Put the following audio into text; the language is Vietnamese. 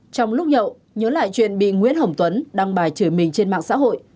trong lúc nhậu nhớ lại chuyện bị nguyễn hồng tuấn đăng bài trời mình trên mạng xã hội